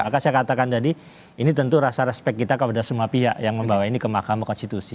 maka saya katakan tadi ini tentu rasa respect kita kepada semua pihak yang membawa ini ke mahkamah konstitusi